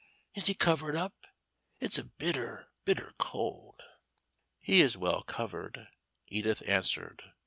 Is he covered up? It's bitter, bitter cold." "He is well covered," Edith answered.